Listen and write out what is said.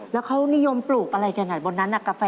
แล้วเขานิยมปลูกอะไรยังไงบนนั้นกาแฟ